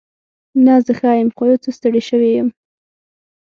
نه، زه ښه یم. خو یو څه ستړې شوې یم.